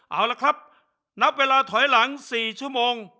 เอาละครับนับเวลาถอยหลัง๔ชั่วโมง